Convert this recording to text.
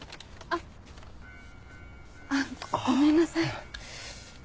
あっごめんなさい。